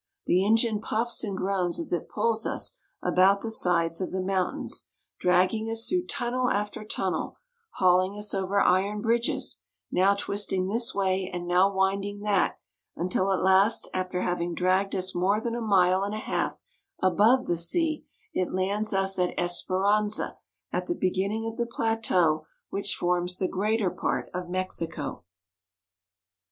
The engine puffs and groans as it pulls us about the sides of the mountains, dragging us through tunnel after tunnel, hauHng us over iron bridges, now twisting this way and now winding that, until at last, after having dragged us more than a mile and a half above the sea, it lands us at Esperanza, at the beginning of the plateau which forms the greater part of Mexico.